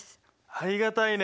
ありがたいね